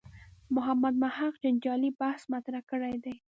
محمد محق جنجالي بحث مطرح کړی دی.